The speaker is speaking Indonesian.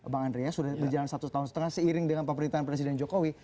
bang andreas sudah berjalan satu tahun setengah seiring dengan pemerintahan presiden jokowi